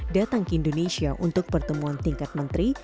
datang ke indonesia untuk pertemuan tingkat menteri